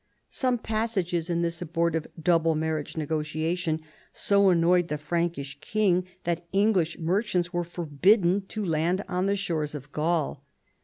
Some passages in this abortive " double marriage negotiation " so annoyed tiie Frankish king that English merchants were forbid den to land on the shores pf Gaul.